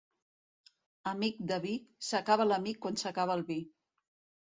Amic de vi, s'acaba l'amic quan s'acaba el vi.